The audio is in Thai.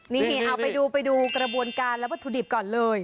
นี่เอาไปดูไปดูกระบวนการและวัตถุดิบก่อนเลย